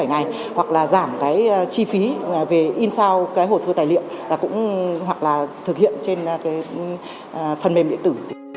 bảy ngày hoặc là giảm cái chi phí về in sao cái hồ sơ tài liệu hoặc là thực hiện trên phần mềm điện tử